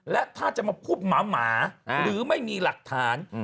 และถ้าจะมาพูดหมาหรือไม่มีหลักฐาน